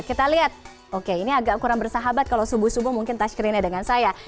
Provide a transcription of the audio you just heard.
kita lihat oke ini agak kurang bersahabat kalau subuh subuh mungkin toucherin ya dengan saya